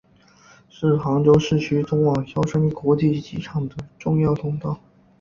是杭州市区通往萧山国际机场的重要通道。